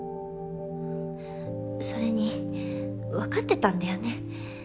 それにわかってたんだよね